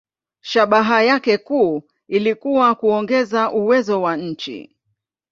Shabaha yake kuu ilikuwa kuongeza uwezo wa nchi.